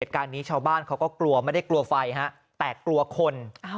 เหตุการณ์นี้ชาวบ้านเขาก็กลัวไม่ได้กลัวไฟฮะแต่กลัวคน